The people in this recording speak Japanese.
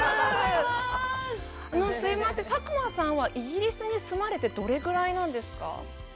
佐久間さんはイギリスに住まれてどれぐらいなんですか。